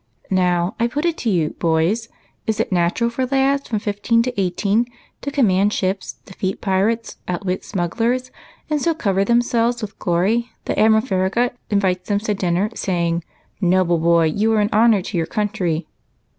Now, I put it to you, boys, is it natural for lads from fifteen to eighteen to command ships, defeat pirates, outwit smugglers, and so cover themselves with glory, that Admiral Farragut invites them to dinner, saying :' Noble boy, you are an honor to your country